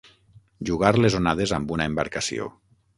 Jugar les onades amb una embarcació.